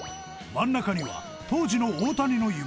真ん中には当時の大谷の夢